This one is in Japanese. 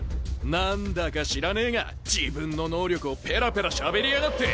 何だか知らねえが自分の能力をペラペラしゃべりやがって！